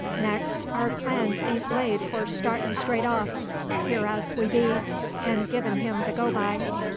Next, our plans ain't laid for startin' straight off here as we be an' givin' him the go by.